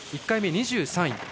１回目、２３位。